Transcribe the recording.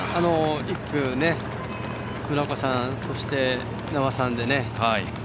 １区、村岡さんそして次は名和さんでね。